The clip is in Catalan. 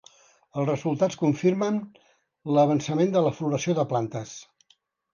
Els resultats confirmen l'avançament de la floració de plantes.